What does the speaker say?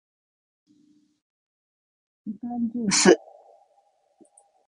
みかんじゅーす